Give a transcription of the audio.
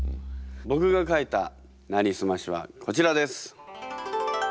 僕が書いた「なりすまし」はこちらです。